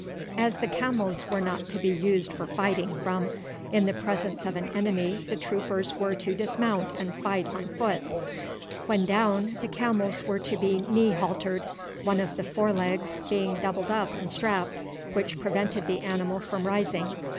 As the camels were not to be used for fighting from, in the presence of an enemy the troopers were to dismount and fight on foot. When down the camels were to be knee haltered, one of the fore legs being doubled up and strapped, which prevented the animal from rising.